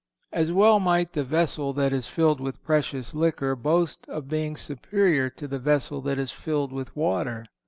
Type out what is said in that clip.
(509) As well might the vessel that is filled with precious liquor boast of being superior to the vessel that is filled with water.